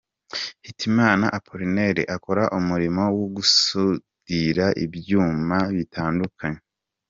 Hitimana Appolinaire akora umurimo wo gusudira ibyuma bitandukanye.